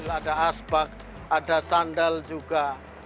ada asbak ada sandal juga